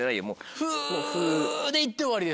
フで行って終わりです。